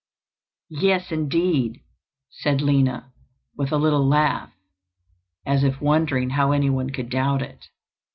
"Yes, indeed," said Lina, with a little laugh, as if wondering how anyone could doubt it.